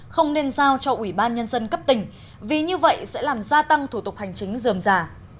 không nên giao cho ủy ban nhân dân cấp tỉnh vì như vậy sẽ làm gia tăng thủ tục hành chính dườm giả